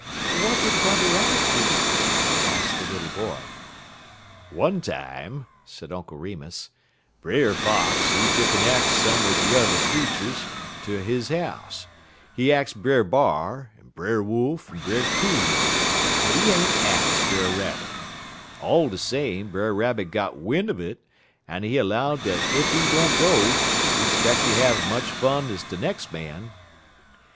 "What did Brother Rabbit do?" asked the little boy. "One time," said Uncle Remus, "Brer Fox, he tuck'n ax some er de yuther creeturs ter he house. He ax Brer B'ar, en Brer Wolf, en Brer 'Coon, but he ain't ax Brer Rabbit. All de same, Brer Rabbit got win' un it, en he 'low dat ef he don't go, he 'speck he have much fun ez de nex' man.